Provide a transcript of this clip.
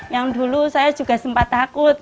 yang dulu saya juga sempat takut